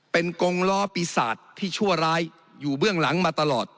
เป็นกงล้อปีศาจที่ชั่วร้ายอยู่เบื้องหลังมาตลอด